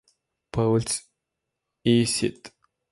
Paul's y St.